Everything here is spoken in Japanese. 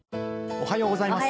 おはようございます。